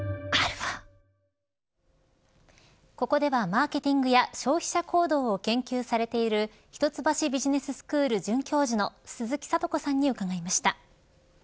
ここではマーケティングや消費者行動を研究されている一橋ビジネススクール准教授の鈴木智子さんに伺いました。